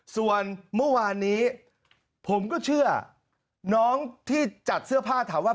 ส่วนเมื่อวานนี้ผมก็เชื่อน้องที่จัดเสื้อผ้าถามว่า